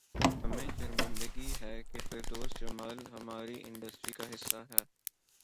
ہمیں شرمندگی ہے کہ فردوس جمال ہماری انڈسٹری کا حصہ ہیں